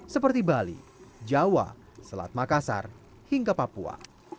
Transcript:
seperti bali jawa selat makassar hingga papua